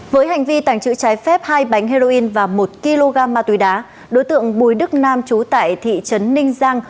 với hành vi tàng trữ trái phép hai bánh heroin và một kg ma túy đá đối tượng bùi đức nam trú tại thị trấn ninh giang